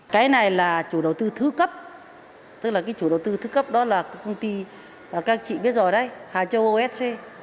cái này là chủ đầu tư thứ cấp tức là cái chủ đầu tư thứ cấp đó là công ty các chị biết rồi đấy hà châu âu sc